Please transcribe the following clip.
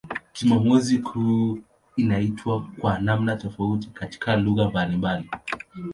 Jumamosi kuu inaitwa kwa namna tofauti katika lugha mbalimbali.